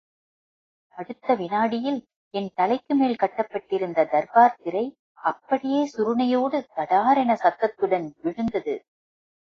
அடுத்த விநாடியில் என் தலைக்குமேல் கட்டப்பட்டிருந்த தர்பார் திரை அப்படியே சுருணையோடு தடா ரென்ற சத்தத்துடன் விழுந்தது.